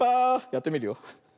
やってみるよ。